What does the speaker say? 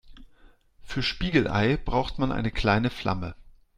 Für Spiegelei braucht man eine kleine Flamme.